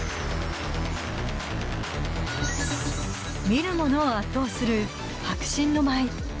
見る者を圧倒する迫真の舞い